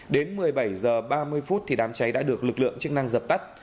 đến một mươi bảy h ba mươi phút đám cháy đã được lực lượng chức năng dập tắt